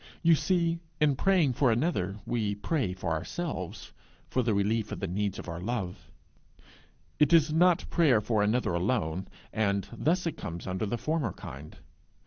You see, in praying for another we pray for ourselves for the relief of the needs of our love; it is not prayer for another alone, and thus it comes under the former kind.